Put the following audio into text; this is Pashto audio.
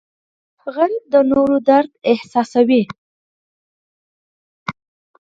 غریب د نورو درد احساسوي